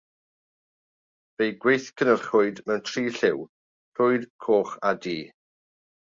Fe'i gweithgynhyrchwyd mewn tri lliw: llwyd, coch a du.